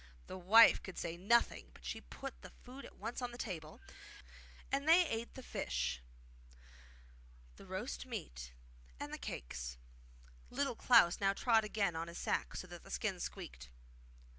The wife could say nothing, but she put the food at once on the table, and they ate the fish, the roast meat, and the cakes. Little Klaus now trod again on his sack, so that the skin squeaked.